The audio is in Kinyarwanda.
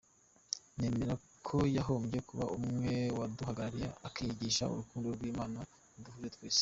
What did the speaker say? Nemera ko hagombye kuba umwe waduhagararira akigisha urukundo rw’Imana ruduhuje twese”.